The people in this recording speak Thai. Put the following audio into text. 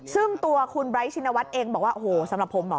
ซึ่งตัวคุณไบร์ทชินวัฒน์เองบอกว่าโอ้โหสำหรับผมเหรอ